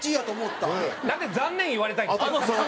なんで「残念」言われたいんですか？